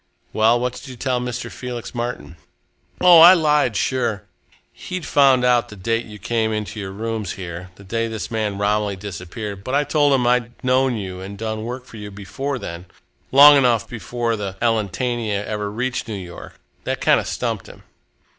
"Well, what did you tell Mr. Felix Martin?" "Oh, I lied, sure! He'd found out the date you came into your rooms here the day this man Romilly disappeared but I told him that I'd known you and done work for you before then long enough before the Elletania ever reached New York. That kind of stumped him."